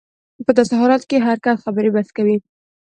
په داسې حالت کې هر کس خبرې بس کوي.